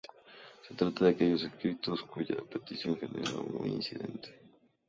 Se trata de aquellos escritos cuya petición genera un incidente.